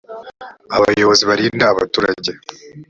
abayobozi barinda abaturage.